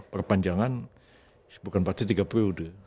perpanjangan bukan berarti tiga periode